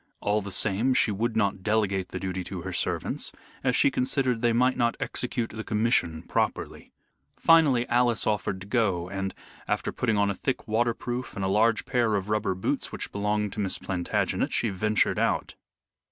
All the same, she would not delegate the duty to her servants, as she considered they might not execute the commission properly. Finally Alice offered to go, and, after putting on a thick waterproof and a large pair of rubber boots which belonged to Miss Plantagenet, she ventured out.